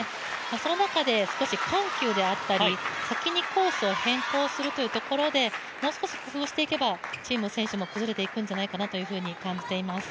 その中で緩急であったり先にコースを変更するというところでもう少し工夫をしていけば陳夢選手も崩れていくんではないかと思います。